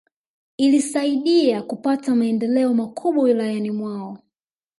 Ilisaidia kupata maendeleo makubwa Wilayani mwao